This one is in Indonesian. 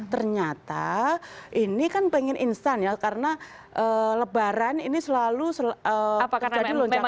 ternyata ini kan pengen instan ya karena lebaran ini selalu terjadi lonjakan